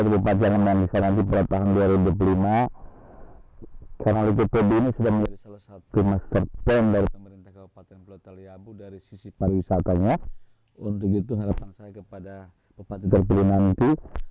bupati pulau taliabu dari sisi para wisatanya untuk itu harapan saya kepada bupati terpilihan itu